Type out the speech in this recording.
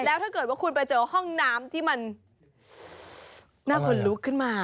แล้วถ้าเกิดว่าคุณไปเจอห้องน้ำที่มันน่าคนลุกขึ้นมา